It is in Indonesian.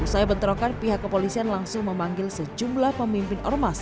usai bentrokan pihak kepolisian langsung memanggil sejumlah pemimpin ormas